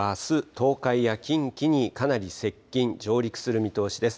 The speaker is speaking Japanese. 東海や近畿にかなり接近、上陸する見通しです。